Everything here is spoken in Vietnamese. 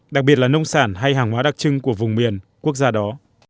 đặc biệt là nông sản hay hàng hóa đặc trưng của vùng miền quốc gia đó